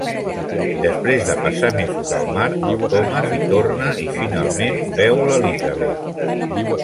Després de passar mesos al mar, el Thomas hi torna i finalment veu l'Elizabeth.